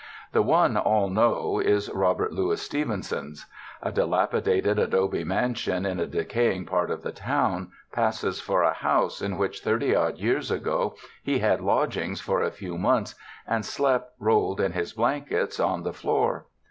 The one all know is Robert Louis Stevenson's. A dilapidated adobe mansion in a decaying part of the town, passes for a house in which, thirty odd years ago, he had lodgings for a few months and slept rolled in his blankets on the floor.